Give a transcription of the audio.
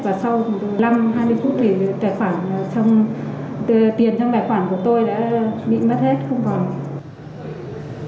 và sau năm hai mươi phút thì tiền trong tài khoản của tôi đã bị mất hết không còn